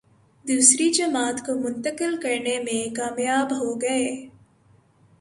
دوسری جماعت کو منتقل کرنے میں کامیاب ہو گئے۔